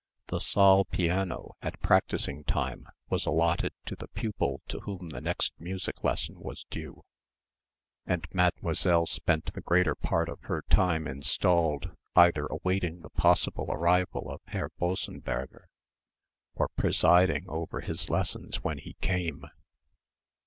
The saal piano at practising time was allotted to the pupil to whom the next music lesson was due, and Mademoiselle spent the greater part of her time installed, either awaiting the possible arrival of Herr Bossenberger or presiding over his lessons when he came.